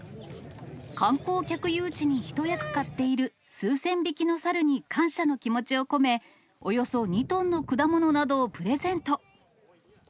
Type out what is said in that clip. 観光客誘致に一役買っている数千匹の猿に感謝の気持ちを込め、およそ２トンの果物などをプレゼント。